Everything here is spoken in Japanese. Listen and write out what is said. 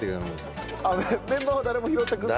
メンバーは誰も拾ってくれない？